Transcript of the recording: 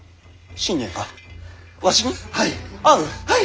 はい！